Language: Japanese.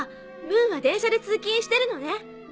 ムーンは電車で通勤してるのね。